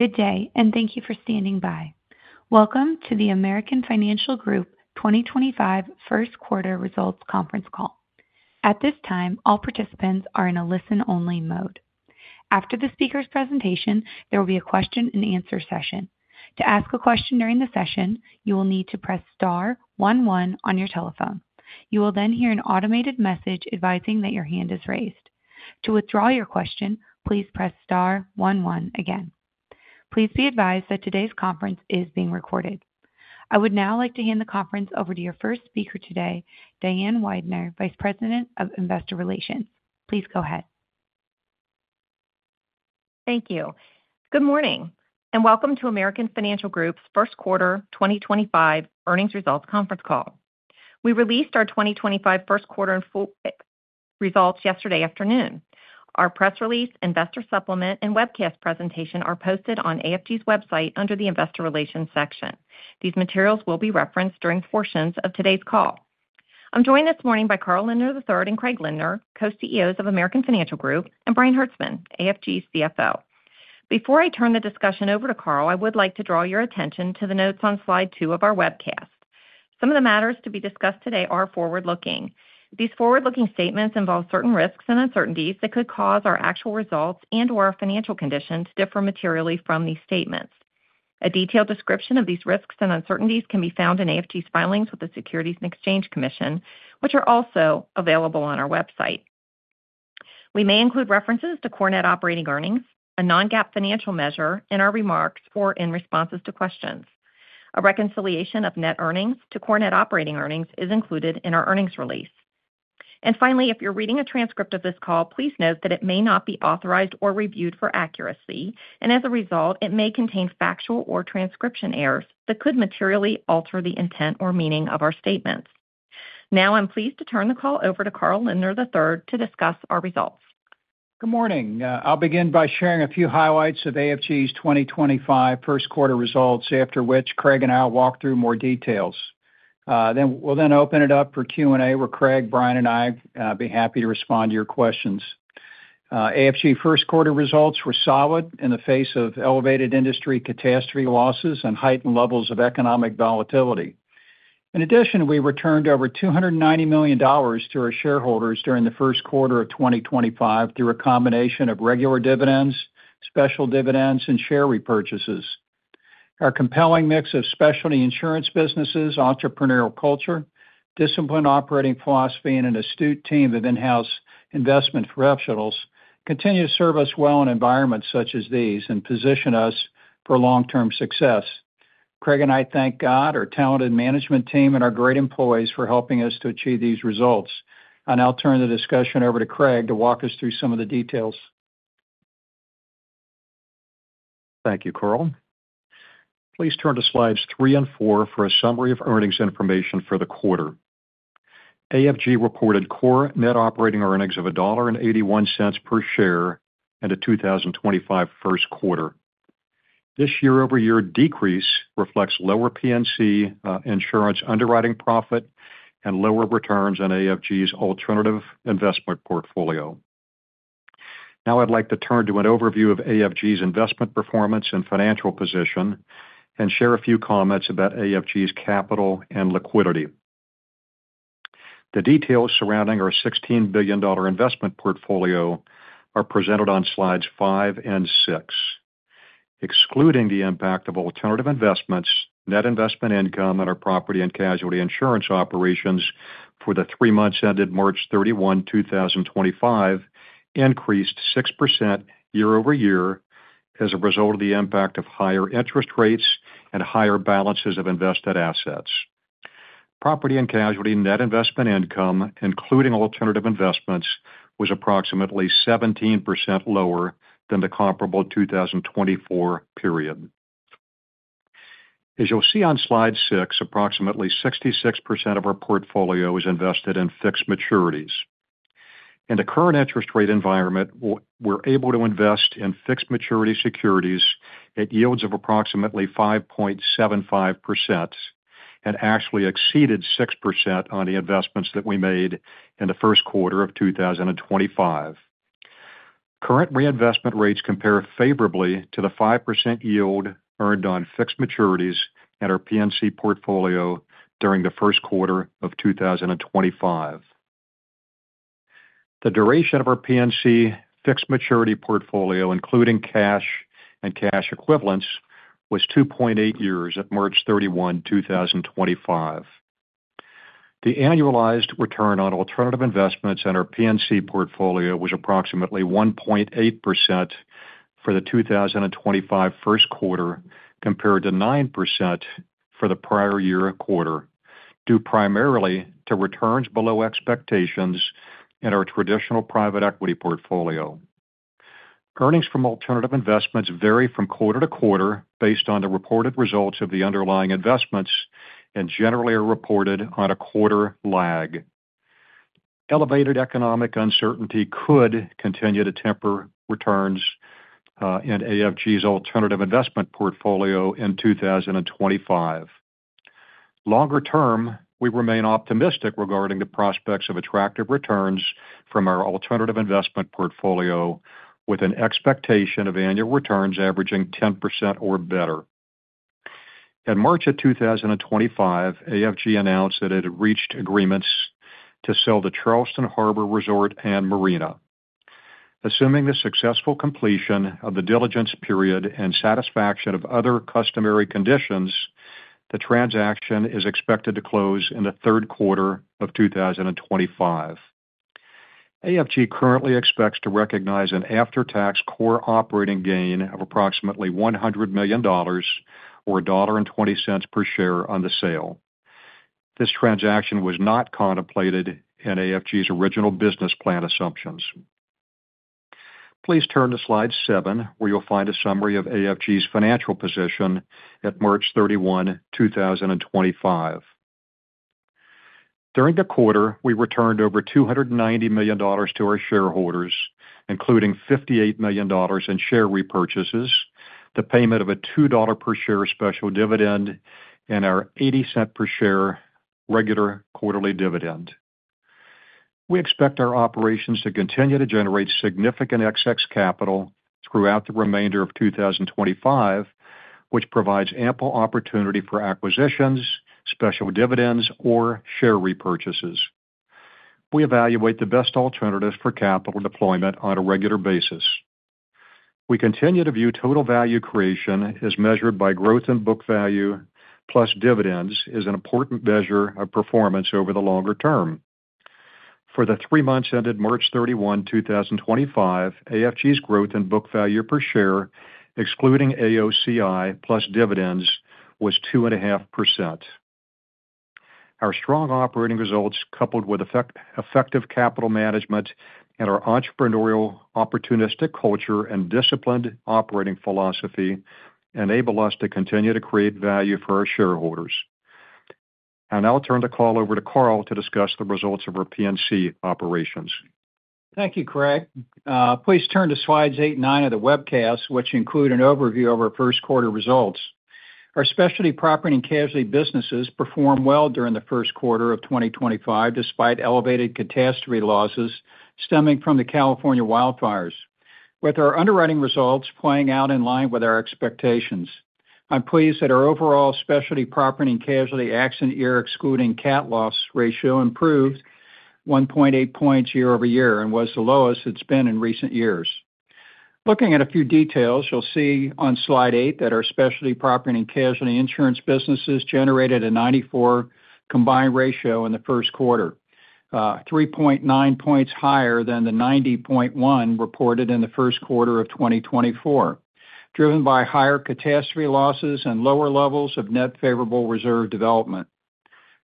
Good day, and thank you for standing by. Welcome to the American Financial Group 2025 First Quarter Results Conference Call. At this time, all participants are in a listen-only mode. After the speaker's presentation, there will be a question-and-answer session. To ask a question during the session, you will need to press star 11 on your telephone. You will then hear an automated message advising that your hand is raised. To withdraw your question, please press star 11 again. Please be advised that today's conference is being recorded. I would now like to hand the conference over to your first speaker today, Diane Weidner, Vice President of Investor Relations. Please go ahead. Thank you. Good morning, and welcome to American Financial Group's First Quarter 2025 Earnings Results Conference Call. We released our 2025 First Quarter Results yesterday afternoon. Our press release, investor supplement, and webcast presentation are posted on AFG's website under the Investor Relations section. These materials will be referenced during portions of today's call. I'm joined this morning by Carl Lindner III and Craig Lindner, Co-CEOs of American Financial Group, and Brian Hertzman, AFG's CFO. Before I turn the discussion over to Carl, I would like to draw your attention to the notes on slide two of our webcast. Some of the matters to be discussed today are forward-looking. These forward-looking statements involve certain risks and uncertainties that could cause our actual results and/or our financial condition to differ materially from these statements. A detailed description of these risks and uncertainties can be found in AFG's filings with the Securities and Exchange Commission, which are also available on our website. We may include references to core net operating earnings, a non-GAAP financial measure, in our remarks or in responses to questions. A reconciliation of net earnings to core net operating earnings is included in our earnings release. And finally, if you're reading a transcript of this call, please note that it may not be authorized or reviewed for accuracy, and as a result, it may contain factual or transcription errors that could materially alter the intent or meaning of our statements. Now, I'm pleased to turn the call over to Carl Lindner III to discuss our results. Good morning. I'll begin by sharing a few highlights of AFG's 2025 First Quarter Results, after which Craig and I will walk through more details. We'll then open it up for Q&A, where Craig, Brian, and I will be happy to respond to your questions. AFG First Quarter Results were solid in the face of elevated industry catastrophe losses and heightened levels of economic volatility. In addition, we returned over $290 million to our shareholders during the first quarter of 2025 through a combination of regular dividends, special dividends, and share repurchases. Our compelling mix of specialty insurance businesses, entrepreneurial culture, disciplined operating philosophy, and an astute team of in-house investment professionals continue to serve us well in environments such as these and position us for long-term success. Craig and I thank God, our talented management team, and our great employees for helping us to achieve these results. I'll turn the discussion over to Craig to walk us through some of the details. Thank you, Carl. Please turn to slides three and four for a summary of earnings information for the quarter. AFG reported core net operating earnings of $1.81 per share in the 2025 first quarter. This year-over-year decrease reflects lower P&C insurance underwriting profit and lower returns on AFG's alternative investment portfolio. Now, I'd like to turn to an overview of AFG's investment performance and financial position and share a few comments about AFG's capital and liquidity. The details surrounding our $16 billion investment portfolio are presented on slides five and six. Excluding the impact of alternative investments, net investment income in our property and casualty insurance operations for the three months ended March 31, 2025, increased 6% year-over-year as a result of the impact of higher interest rates and higher balances of invested assets. Property and casualty net investment income, including alternative investments, was approximately 17% lower than the comparable 2024 period. As you'll see on slide six, approximately 66% of our portfolio is invested in fixed maturities. In the current interest rate environment, we're able to invest in fixed maturity securities at yields of approximately 5.75% and actually exceeded 6% on the investments that we made in the first quarter of 2025. Current reinvestment rates compare favorably to the 5% yield earned on fixed maturities in our P&C portfolio during the first quarter of 2025. The duration of our P&C fixed maturity portfolio, including cash and cash equivalents, was 2.8 years at March 31, 2025. The annualized return on alternative investments in our P&C portfolio was approximately 1.8% for the 2025 first quarter, compared to 9% for the prior year quarter, due primarily to returns below expectations in our traditional private equity portfolio. Earnings from alternative investments vary from quarter to quarter based on the reported results of the underlying investments and generally are reported on a quarter lag. Elevated economic uncertainty could continue to temper returns in AFG's alternative investment portfolio in 2025. Longer term, we remain optimistic regarding the prospects of attractive returns from our alternative investment portfolio, with an expectation of annual returns averaging 10% or better. In March of 2025, AFG announced that it had reached agreements to sell the Charleston Harbor Resort and Marina. Assuming the successful completion of the diligence period and satisfaction of other customary conditions, the transaction is expected to close in the third quarter of 2025. AFG currently expects to recognize an after-tax core operating gain of approximately $100 million or $1.20 per share on the sale. This transaction was not contemplated in AFG's original business plan assumptions. Please turn to slide seven, where you'll find a summary of AFG's financial position at March 31, 2025. During the quarter, we returned over $290 million to our shareholders, including $58 million in share repurchases, the payment of a $2 per share special dividend, and our $0.80 per share regular quarterly dividend. We expect our operations to continue to generate significant excess capital throughout the remainder of 2025, which provides ample opportunity for acquisitions, special dividends, or share repurchases. We evaluate the best alternatives for capital deployment on a regular basis. We continue to view total value creation as measured by growth in book value plus dividends as an important measure of performance over the longer term. For the three months ended March 31, 2025, AFG's growth in book value per share, excluding AOCI plus dividends, was 2.5%. Our strong operating results, coupled with effective capital management and our entrepreneurial, opportunistic culture and disciplined operating philosophy, enable us to continue to create value for our shareholders. And I'll turn the call over to Carl to discuss the results of our P&C operations. Thank you, Craig. Please turn to slides eight and nine of the webcast, which include an overview of our first quarter results. Our Specialty Property and Casualty businesses performed well during the first quarter of 2025 despite elevated catastrophe losses stemming from the California wildfires, with our underwriting results playing out in line with our expectations. I'm pleased that our overall Specialty Property and Casualty accident year, excluding CAT loss ratio, improved 1.8 points year-over-year and was the lowest it's been in recent years. Looking at a few details, you'll see on slide eight that our Specialty Property and Casualty insurance businesses generated a 94 combined ratio in the first quarter, 3.9 points higher than the 90.1 reported in the first quarter of 2024, driven by higher catastrophe losses and lower levels of net favorable reserve development.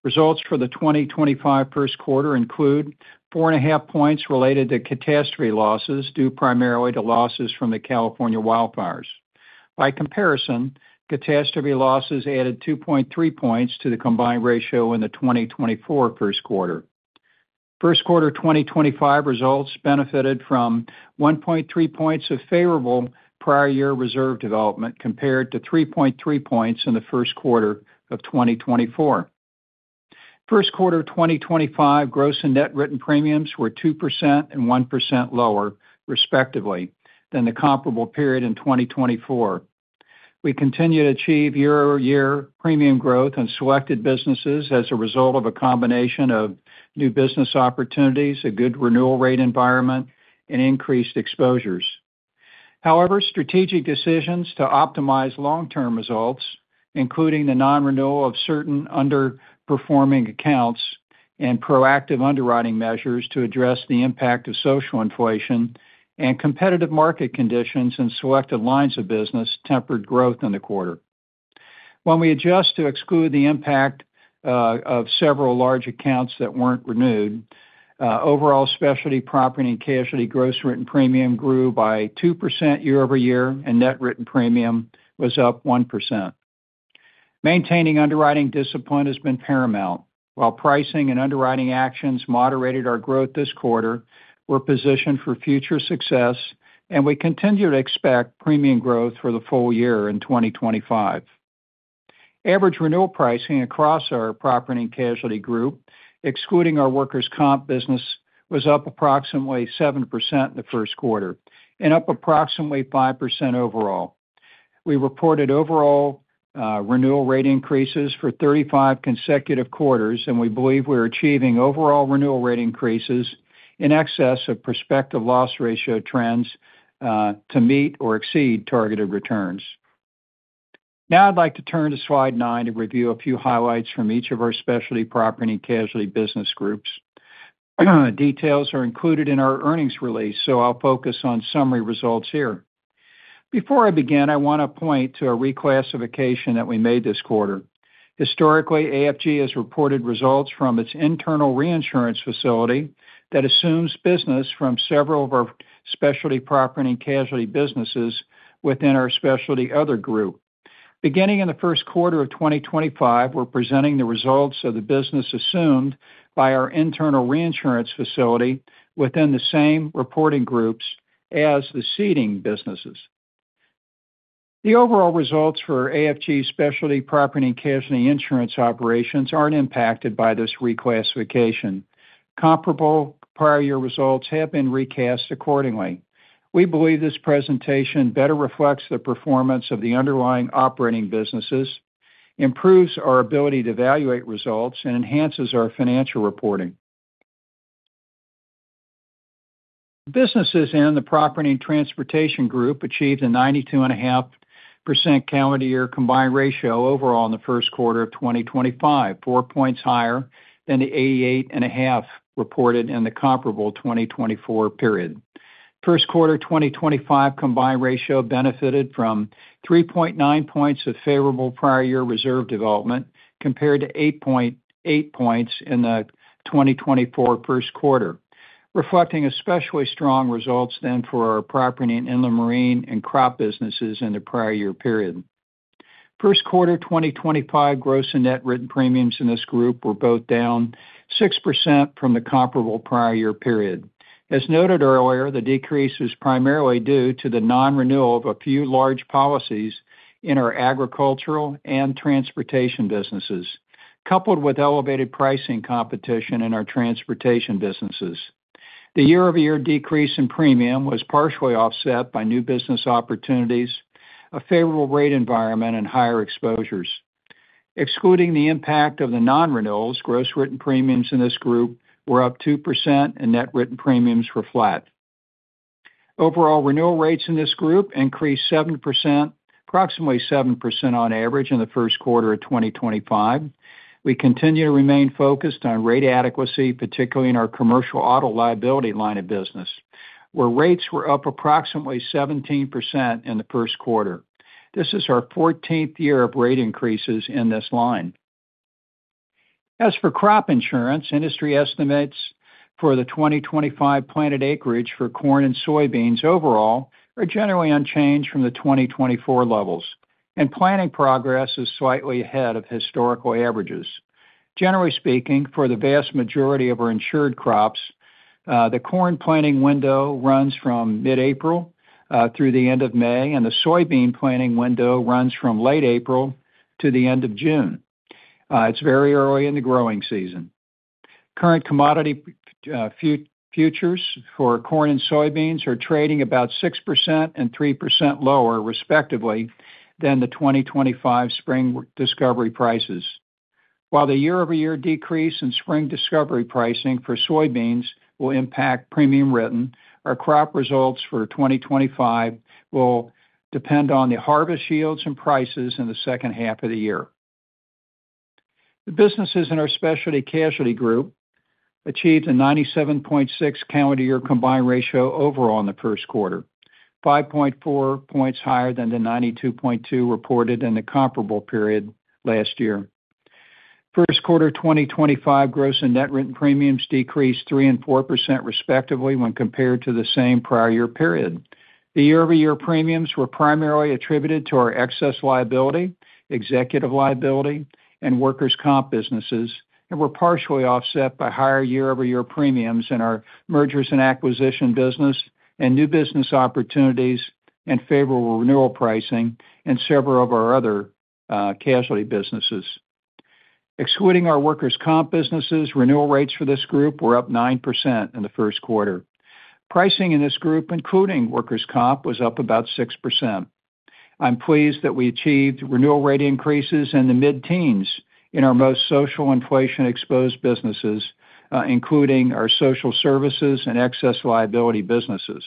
Results for the 2025 first quarter include 4.5 points related to catastrophe losses due primarily to losses from the California wildfires. By comparison, catastrophe losses added 2.3 points to the combined ratio in the 2024 first quarter. First quarter 2025 results benefited from 1.3 points of favorable prior year reserve development compared to 3.3 points in the first quarter of 2024. First quarter 2025 gross and net written premiums were 2% and 1% lower, respectively, than the comparable period in 2024. We continue to achieve year-over-year premium growth in selected businesses as a result of a combination of new business opportunities, a good renewal rate environment, and increased exposures. However, strategic decisions to optimize long-term results, including the non-renewal of certain underperforming accounts and proactive underwriting measures to address the impact of social inflation and competitive market conditions in selected lines of business, tempered growth in the quarter. When we adjust to exclude the impact of several large accounts that weren't renewed, overall Specialty Property and Casualty gross written premium grew by 2% year-over-year and net written premium was up 1%. Maintaining underwriting discipline has been paramount. While pricing and underwriting actions moderated our growth this quarter, we're positioned for future success, and we continue to expect premium growth for the full year in 2025. Average renewal pricing across our property and casualty group, excluding our Workers' Comp business, was up approximately 7% in the first quarter and up approximately 5% overall. We reported overall renewal rate increases for 35 consecutive quarters, and we believe we're achieving overall renewal rate increases in excess of prospective loss ratio trends to meet or exceed targeted returns. Now, I'd like to turn to slide nine to review a few highlights from each of our Specialty Property and Casualty business groups. Details are included in our earnings release, so I'll focus on summary results here. Before I begin, I want to point to a reclassification that we made this quarter. Historically, AFG has reported results from its internal reinsurance facility that assumes business from several of our Specialty Property and Casualty businesses within our Specialty Other Group. Beginning in the first quarter of 2025, we're presenting the results of the business assumed by our internal reinsurance facility within the same reporting groups as the ceding businesses. The overall results for AFG Specialty Property and Casualty insurance operations aren't impacted by this reclassification. Comparable prior year results have been recast accordingly. We believe this presentation better reflects the performance of the underlying operating businesses, improves our ability to evaluate results, and enhances our financial reporting. Businesses in the Property and Transportation Group achieved a 92.5% calendar year combined ratio overall in the first quarter of 2025, 4 points higher than the 88.5 reported in the comparable 2024 period. First quarter 2025 combined ratio benefited from 3.9 points of favorable prior year reserve development compared to 8.8 points in the 2024 first quarter, reflecting especially strong results then for our Property and Inland Marine and crop businesses in the prior year period. First quarter 2025 gross and net written premiums in this group were both down 6% from the comparable prior year period. As noted earlier, the decrease was primarily due to the non-renewal of a few large policies in our Agricultural and transportation businesses, coupled with elevated pricing competition in our transportation businesses. The year-over-year decrease in premium was partially offset by new business opportunities, a favorable rate environment, and higher exposures. Excluding the impact of the non-renewals, gross written premiums in this group were up 2%, and net written premiums were flat. Overall renewal rates in this group increased 7%, approximately 7% on average in the first quarter of 2025. We continue to remain focused on rate adequacy, particularly in our Commercial Auto Liability line of business, where rates were up approximately 17% in the first quarter. This is our 14th year of rate increases in this line. As for crop insurance, industry estimates for the 2025 planted acreage for corn and soybeans overall are generally unchanged from the 2024 levels, and planting progress is slightly ahead of historical averages. Generally speaking, for the vast majority of our insured crops, the corn planting window runs from mid-April through the end of May, and the soybean planting window runs from late April to the end of June. It's very early in the growing season. Current commodity futures for corn and soybeans are trading about 6% and 3% lower, respectively, than the 2025 spring discovery prices. While the year-over-year decrease in spring discovery pricing for soybeans will impact premium written, our crop results for 2025 will depend on the harvest yields and prices in the second half of the year. The businesses in our Specialty Casualty roup achieved a 97.6 calendar year combined ratio overall in the first quarter, 5.4 points higher than the 92.2 reported in the comparable period last year. First quarter 2025 gross and net written premiums decreased 3% and 4%, respectively, when compared to the same prior year period. The year-over-year premiums were primarily attributed to our Excess Liability, Executive Liability, and workers' comp businesses and were partially offset by higher year-over-year premiums in our Mergers and Acquisitions business and new business opportunities and favorable renewal pricing in several of our other casualty businesses. Excluding our workers' comp businesses, renewal rates for this group were up 9% in the first quarter. Pricing in this group, including workers' comp, was up about 6%. I'm pleased that we achieved renewal rate increases in the mid-teens in our most social inflation-exposed businesses, including our Social Services and Excess Liability businesses.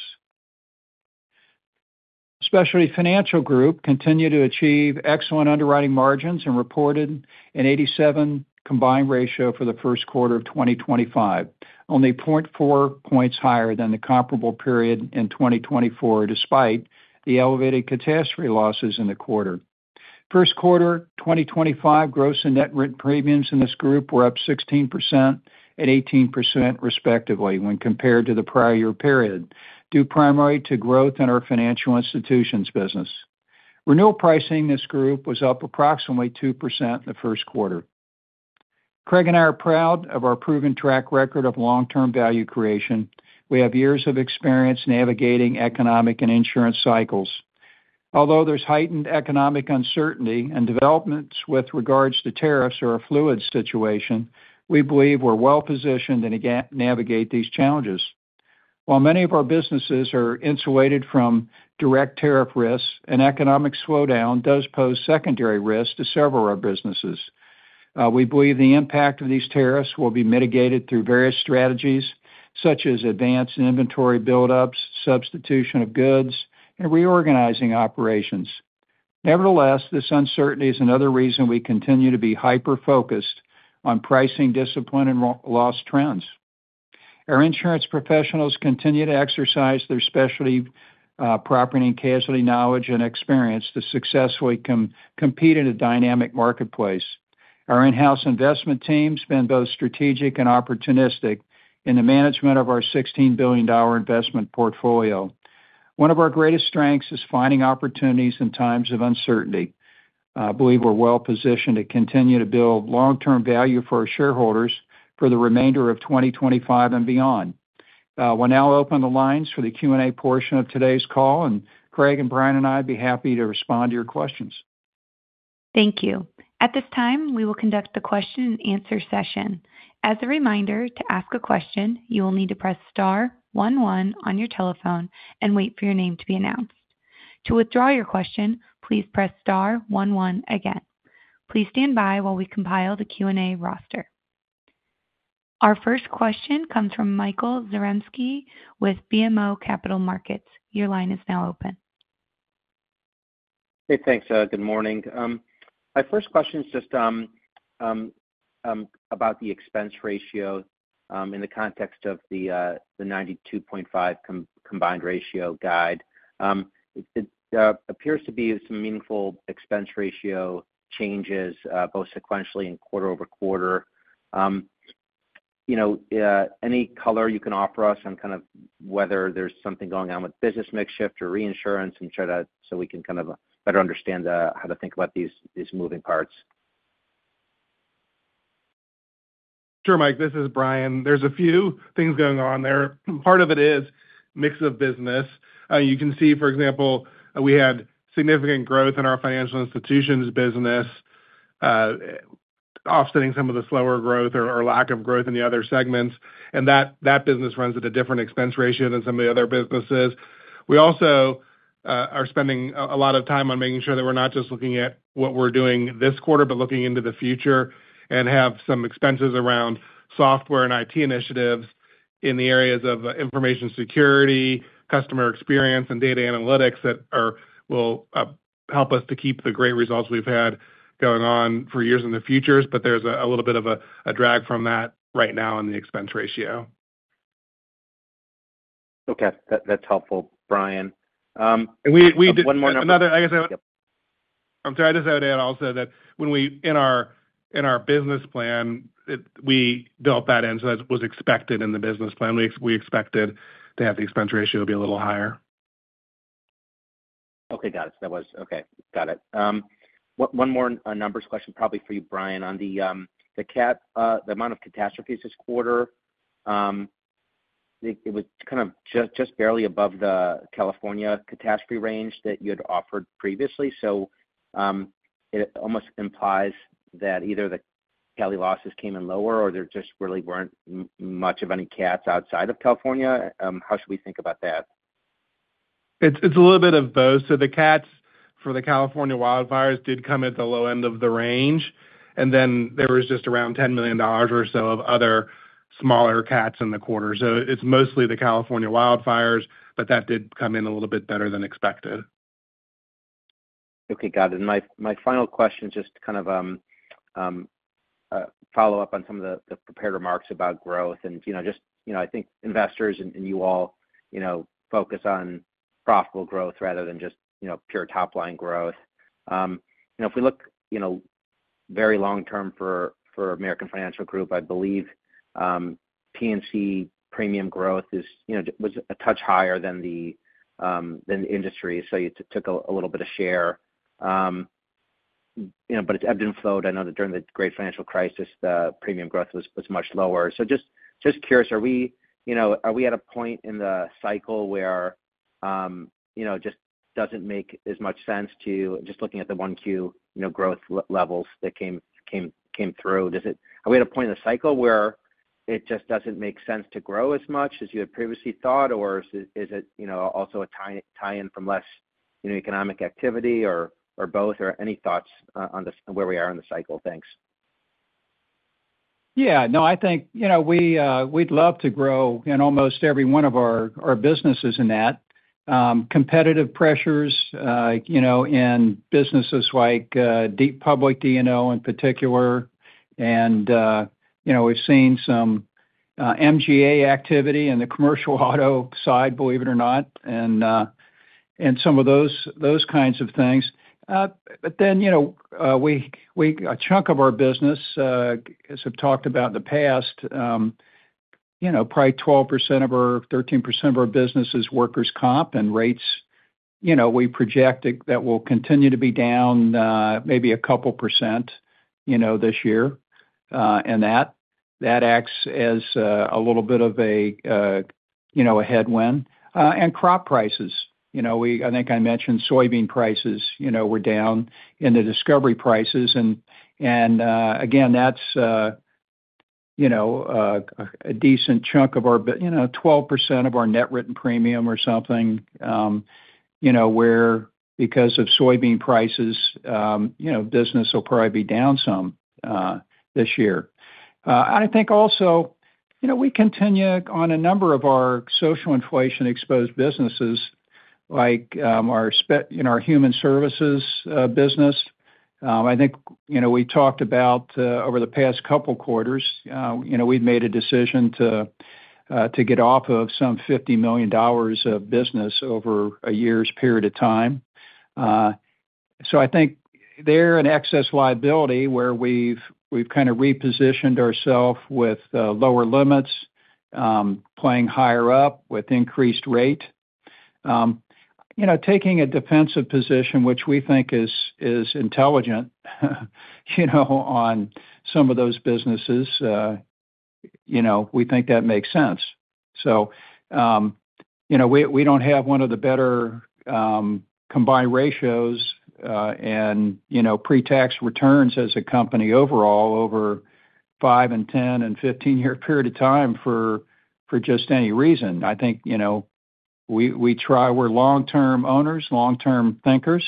Specialty Financial Group continued to achieve excellent underwriting margins and reported an 87 combined ratio for the first quarter of 2025, only 0.4 points higher than the comparable period in 2024, despite the elevated catastrophe losses in the quarter. First quarter 2025 gross and net written premiums in this group were up 16% and 18%, respectively, when compared to the prior year period, due primarily to growth in our Financial Institutions business. Renewal pricing in this group was up approximately 2% in the first quarter. Craig and I are proud of our proven track record of long-term value creation. We have years of experience navigating economic and insurance cycles. Although there's heightened economic uncertainty and developments with regards to tariffs or a fluid situation, we believe we're well positioned to navigate these challenges. While many of our businesses are insulated from direct tariff risks, an economic slowdown does pose secondary risk to several of our businesses. We believe the impact of these tariffs will be mitigated through various strategies, such as advanced inventory build-ups, substitution of goods, and reorganizing operations. Nevertheless, this uncertainty is another reason we continue to be hyper-focused on pricing discipline and loss trends. Our insurance professionals continue to exercise their Specialty Property and Casualty knowledge and experience to successfully compete in a dynamic marketplace. Our in-house investment team has been both strategic and opportunistic in the management of our $16 billion investment portfolio. One of our greatest strengths is finding opportunities in times of uncertainty. I believe we're well positioned to continue to build long-term value for our shareholders for the remainder of 2025 and beyond. We'll now open the lines for the Q&A portion of today's call, and Craig and Brian and I would be happy to respond to your questions. Thank you. At this time, we will conduct the question-and-answer session. As a reminder, to ask a question, you will need to press star 11 on your telephone and wait for your name to be announced. To withdraw your question, please press star 11 again. Please stand by while we compile the Q&A roster. Our first question comes from Michael Zaremski with BMO Capital Markets. Your line is now open. Hey, thanks. Good morning. My first question is just about the expense ratio in the context of the 92.5 combined ratio guide. It appears to be some meaningful expense ratio changes, both sequentially and quarter over quarter. Any color you can offer us on kind of whether there's something going on with business mix shift or reinsurance, and so we can kind of better understand how to think about these moving parts. Sure, Mike. This is Brian. There's a few things going on there. Part of it is a mix of business. You can see, for example, we had significant growth in our Financial Institutions business, offsetting some of the slower growth or lack of growth in the other segments. And that business runs at a different expense ratio than some of the other businesses. We also are spending a lot of time on making sure that we're not just looking at what we're doing this quarter, but looking into the future and have some expenses around software and IT initiatives in the areas of information security, customer experience, and data analytics that will help us to keep the great results we've had going on for years in the futures. But there's a little bit of a drag from that right now in the expense ratio. Okay. That's helpful, Brian. We did. One more number. I guess I would. I'm sorry. I just had to add also that in our business plan, we built that in, so that was expected in the business plan. We expected to have the expense ratio be a little higher. Okay. Got it. Okay. Got it. One more numbers question probably for you, Brian. On the amount of catastrophes this quarter, it was kind of just barely above the California catastrophe range that you had offered previously. So it almost implies that either the Cali losses came in lower or there just really weren't much of any cats outside of California. How should we think about that? It's a little bit of both. So the cats for the California wildfires did come at the low end of the range, and then there was just around $10 million or so of other smaller cats in the quarter. So it's mostly the California wildfires, but that did come in a little bit better than expected. Okay. Got it. My final question is just to kind of follow up on some of the prepared remarks about growth, and just I think investors and you all focus on profitable growth rather than just pure top-line growth. If we look very long-term for American Financial Group, I believe P&C premium growth was a touch higher than the industry, so it took a little bit of share. But it's ebbed and flowed. I know that during the great financial crisis, the premium growth was much lower. So just curious, are we at a point in the cycle where it just doesn't make as much sense to just looking at the 1Q growth levels that came through? Are we at a point in the cycle where it just doesn't make sense to grow as much as you had previously thought, or is it also a tie-in from less economic activity or both? Or any thoughts on where we are in the cycle? Thanks. Yeah. No, I think we'd love to grow in almost every one of our businesses in that. Competitive pressures in businesses like the Public D&O in particular. And we've seen some MGA activity in the commercial auto side, believe it or not, and some of those kinds of things. But then a chunk of our business, as I've talked about in the past, probably 12 or 13% of our business is workers' comp, and rates, we project that will continue to be down maybe a couple % this year. And that acts as a little bit of a headwind. And crop prices. I think I mentioned soybean prices were down in the discovery prices. And again, that's a decent chunk of our 12% of our net written premium or something where, because of soybean prices, business will probably be down some this year. I think also we continue on a number of our social inflation-exposed businesses like our human services business. I think we talked about over the past couple quarters, we've made a decision to get off of some $50 million of business over a year's period of time. So I think there in Excess Liability where we've kind of repositioned ourselves with lower limits, playing higher up with increased rate. Taking a defensive position, which we think is intelligent on some of those businesses, we think that makes sense. So we don't have one of the better combined ratios and pre-tax returns as a company overall over five and 10 and 15-year period of time for just any reason. I think we try. We're long-term owners, long-term thinkers.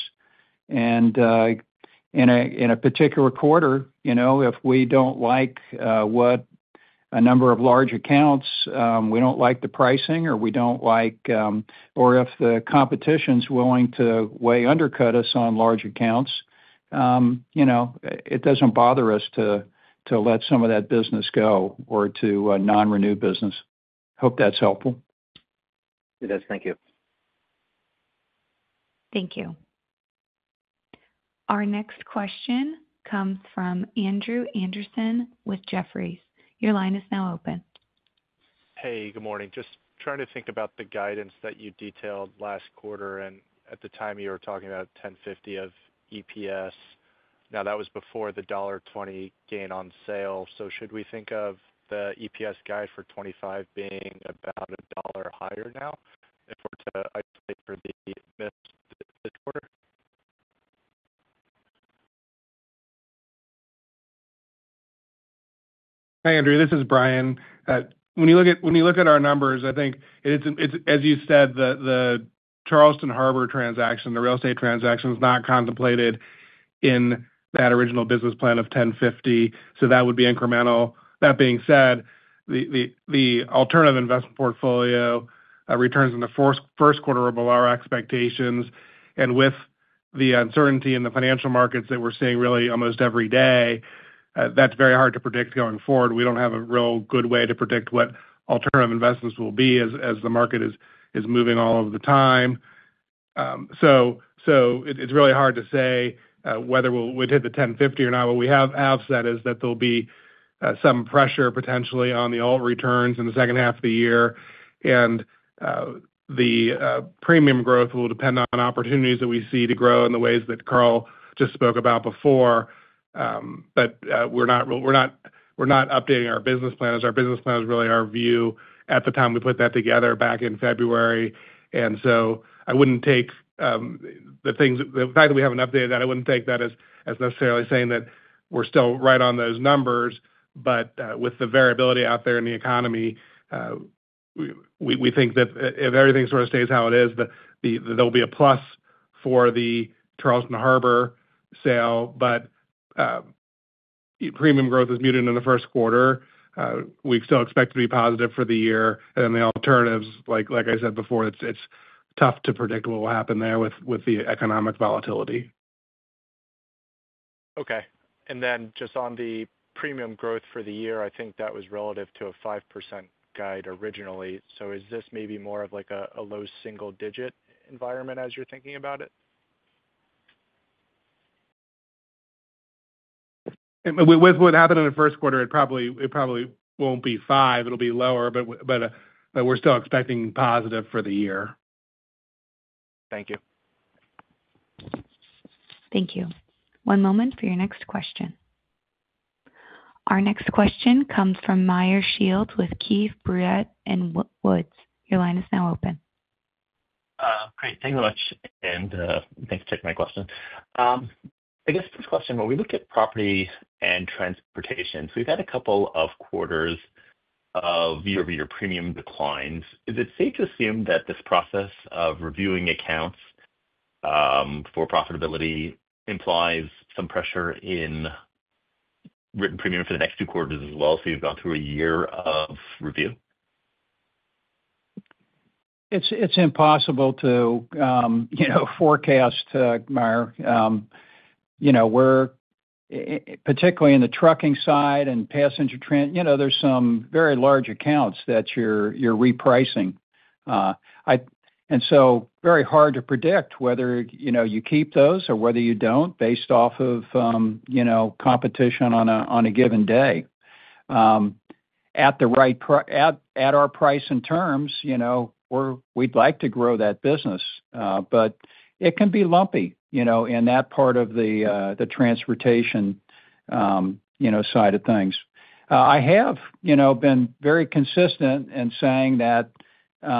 In a particular quarter, if we don't like a number of large accounts, we don't like the pricing, or if the competition's willing to way undercut us on large accounts, it doesn't bother us to let some of that business go or to non-renew business. Hope that's helpful. It is. Thank you. Thank you. Our next question comes from Andrew Andersen with Jefferies. Your line is now open. Hey, good morning. Just trying to think about the guidance that you detailed last quarter. At the time, you were talking about $10.50 of EPS. Now, that was before the $1.20 gain on sale. Should we think of the EPS guide for 2025 being about a dollar higher now if we're to isolate for the mid-quarter? Hi, Andrew. This is Brian. When you look at our numbers, I think, as you said, the Charleston Harbor transaction, the real estate transaction is not contemplated in that original business plan of $10.50. So that would be incremental. That being said, the alternative investment portfolio returns in the first quarter above our expectations. And with the uncertainty in the financial markets that we're seeing really almost every day, that's very hard to predict going forward. We don't have a real good way to predict what alternative investments will be as the market is moving all of the time. So it's really hard to say whether we'll hit the $10.50 or not. What we have said is that there'll be some pressure potentially on the alt returns in the second half of the year. And the premium growth will depend on opportunities that we see to grow in the ways that Carl just spoke about before. But we're not updating our business plan. Our business plan is really our view at the time we put that together back in February. And so I wouldn't take the fact that we haven't updated that. I wouldn't take that as necessarily saying that we're still right on those numbers. But with the variability out there in the economy, we think that if everything sort of stays how it is, there'll be a plus for the Charleston Harbor sale. But premium growth is muted in the first quarter. We still expect to be positive for the year. And then the alternatives, like I said before, it's tough to predict what will happen there with the economic volatility. Okay. And then just on the premium growth for the year, I think that was relative to a 5% guide originally. So is this maybe more of a low single-digit environment as you're thinking about it? With what happened in the first quarter, it probably won't be five. It'll be lower, but we're still expecting positive for the year. Thank you. Thank you. One moment for your next question. Our next question comes from Meyer Shields with Keefe, Bruyette & Woods. Your line is now open. Great. Thank you very much. And thanks for taking my question. I guess first question, when we look at property and transportation, we've had a couple of quarters of year-over-year premium declines. Is it safe to assume that this process of reviewing accounts for profitability implies some pressure in written premium for the next two quarters as well? So you've gone through a year of review? It's impossible to forecast, Meyer. Particularly in the trucking side and Passenger Transportation. So,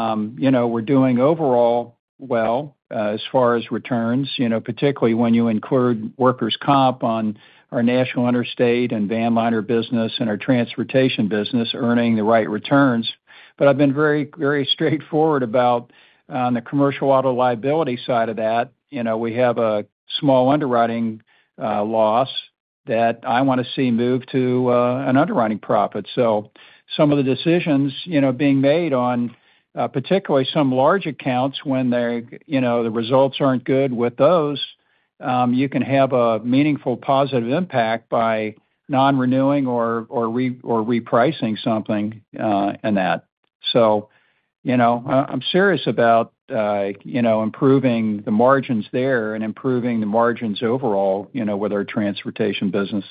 some of the decisions being made on particularly some large accounts, when the results aren't good with those, you can have a meaningful positive impact by non-renewing or repricing something in that. So, I'm serious about improving the margins there and improving the margins overall with our transportation business.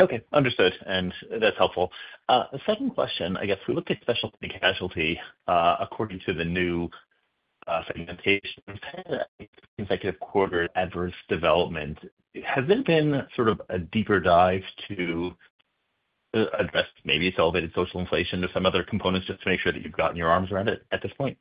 Okay. Understood. And that's helpful. Second question, I guess. We looked at specialty casualty according to the new segmentation of consecutive quarter adverse development. Has there been sort of a deeper dive to address maybe some of the social inflation or some other components just to make sure that you've gotten your arms around it at this point?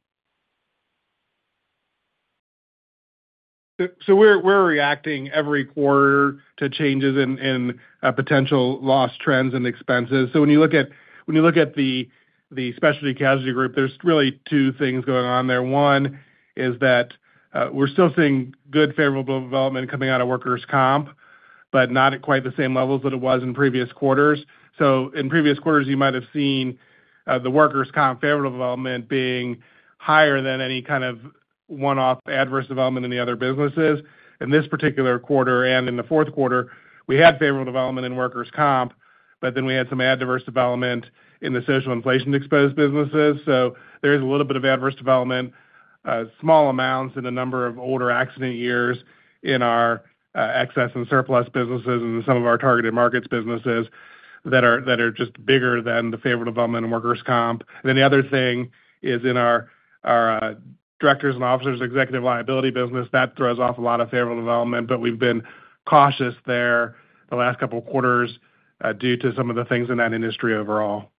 We're reacting every quarter to changes in potential loss trends and expenses. When you look at the specialty casualty group, there's really two things going on there. One is that we're still seeing good favorable development coming out of workers' comp, but not at quite the same levels that it was in previous quarters. In previous quarters, you might have seen the workers' comp favorable development being higher than any kind of one-off adverse development in the other businesses. In this particular quarter and in the fourth quarter, we had favorable development in workers' comp, but then we had some adverse development in the social inflation-exposed businesses. So there is a little bit of adverse development, small amounts in a number of older accident years in our Excess and Surplus businesses and some of our Targeted Markets businesses that are just bigger than the favorable development in workers' comp. And then the other thing is in our directors and officers' executive liability business, that throws off a lot of favorable development, but we've been cautious there the last couple quarters due to some of the things in that industry overall.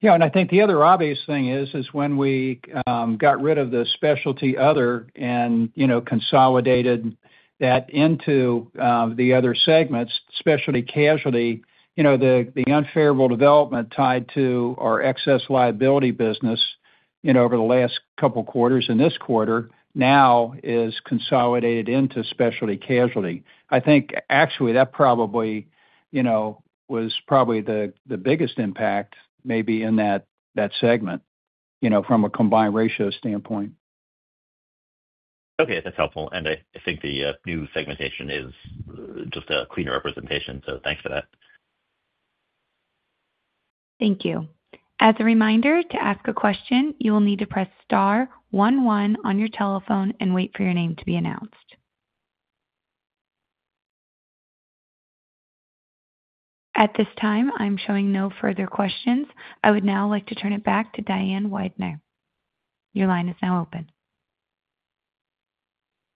Yeah. And I think the other obvious thing is when we got rid of the specialty other and consolidated that into the other segments, specialty casualty, the unfavorable development tied to our Excess Liability business over the last couple quarters and this quarter now is consolidated into specialty casualty. I think actually that probably was the biggest impact maybe in that segment from a combined ratio standpoint. Okay. That's helpful. And I think the new segmentation is just a cleaner representation. So thanks for that. Thank you. As a reminder, to ask a question, you will need to press star 11 on your telephone and wait for your name to be announced. At this time, I'm showing no further questions. I would now like to turn it back to Diane Weidner. Your line is now open.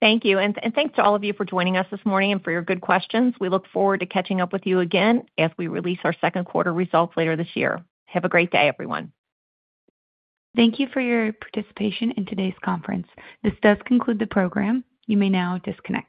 Thank you. And thanks to all of you for joining us this morning and for your good questions. We look forward to catching up with you again as we release our second quarter results later this year. Have a great day, everyone. Thank you for your participation in today's conference. This does conclude the program. You may now disconnect.